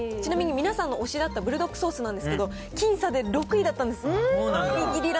ちなみに皆さんの推しだったブルドックソースだったんですけど、僅差で６位だったんです。